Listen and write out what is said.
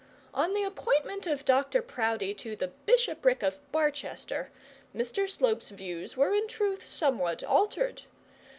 On the appointment of Dr Proudie to the bishopric of Barchester, Mr Slope's views were, in truth, somewhat altered.